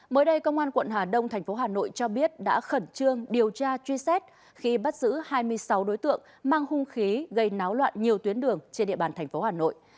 mới đây công an quận hà đông thành phố hà nội cho biết đã khẩn trương điều tra truy xét khi bắt giữ hai mươi sáu đối tượng mang hung khí gây náo loạn nhiều tuyến đường trên địa bàn tp hà nội